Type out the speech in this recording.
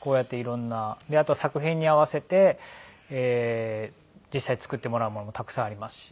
あとは作品に合わせて実際作ってもらうものもたくさんありますし。